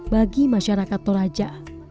bagi masyarakat toraja